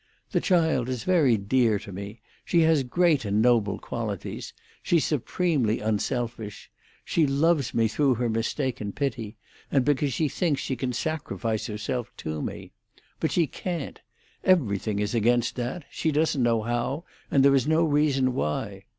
The child is very dear to me. She has great and noble qualities; she's supremely unselfish; she loves me through her mistaken pity, and because she thinks she can sacrifice herself to me. But she can't. Everything is against that; she doesn't know how, and there is no reason why.